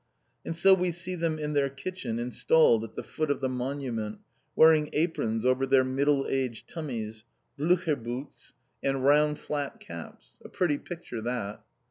And so we see them in their kitchen installed at the foot of the Monument, wearing aprons over their middle aged tummies, blucher boots, and round flat caps. A pretty picture that!